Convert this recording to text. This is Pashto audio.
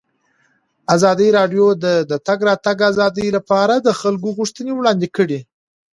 ازادي راډیو د د تګ راتګ ازادي لپاره د خلکو غوښتنې وړاندې کړي.